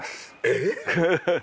えっ？